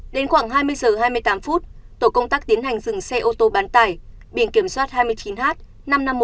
đến khoảng hai mươi h hai mươi tám tổ công tác tiến hành dừng xe ô tô bán tải biển kiểm soát hai mươi chín h năm mươi năm nghìn một trăm bốn mươi hai